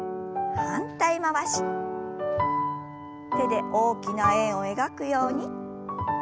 手で大きな円を描くように。